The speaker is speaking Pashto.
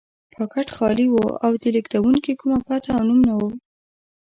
پاکټ خالي و او د لېږونکي کومه پته او نوم نه و.